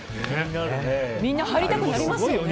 みんな、入りたくなりますよね。